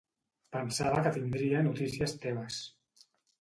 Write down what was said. Pensava que tindria notícies teves.